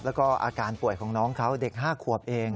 แล้วก็อาการป่วยของน้องเขาเด็ก๕ขวบเอง